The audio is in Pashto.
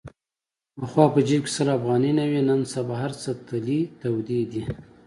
پخوا په جیب کې سل افغانۍ نه وې. نن سبا هرڅه تلې تودې دي.